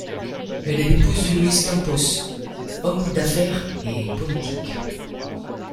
Elle est l'épouse de Luis Campos, homme d'affaires et politique.